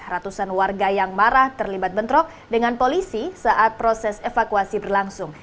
ratusan warga yang marah terlibat bentrok dengan polisi saat proses evakuasi berlangsung